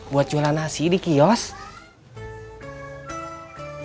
buat jualan nasi di kiosk